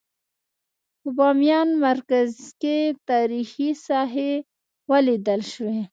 په بامیان مرکز کې تاریخي ساحې ولیدل شوې.